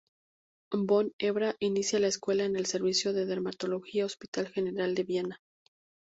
Von Hebra inicia la escuela en el servicio de dermatología Hospital General de Viena.